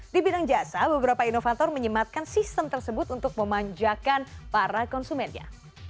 di bidang jasa beberapa inovator menyematkan sistem tersebut untuk memanjakan para konsumennya